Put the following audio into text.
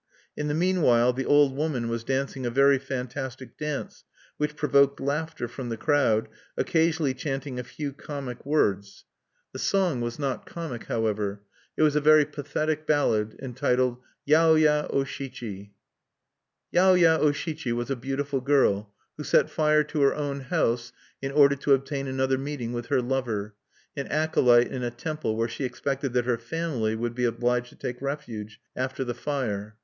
In the meanwhile the old woman was dancing a very fantastic dance which provoked laughter from the crowd, occasionally chanting a few comic words. "The song was not comic, however; it was a very pathetic ballad entitled 'Yaoya O Shichi.' Yaoya O Shichi was a beautiful girl, who set fire to her own house in order to obtain another meeting with her lover, an acolyte in a temple where she expected that her family would be obliged to take refuge after the fire.